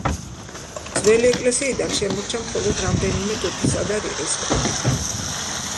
ძველი ეკლესიიდან შემორჩა მხოლოდ რამდენიმე ტუფისა და რიყის ქვა.